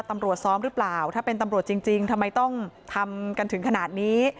ตำรวจซ้อมหรือเปล่าถ้าเป็นตำรวจจริงทำไมต้องทำกันถึงขนาดนี้